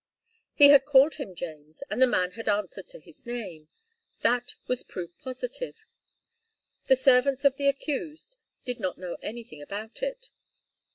He had called him James, and the man had answered to his name. That was proof positive. The servants of the accused did not know anything about it.